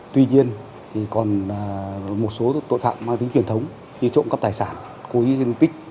tuy nhiên còn một số tội phạm mang tính truyền thống như trộm cắp tài sản cúi hình tích